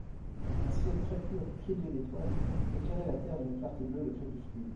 Un ciel très pur, criblé d'étoiles, éclairait la terre d'une clarté bleue de crépuscule.